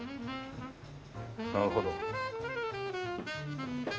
なるほど。